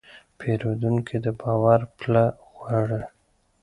پیرودونکی د باور پله غواړي.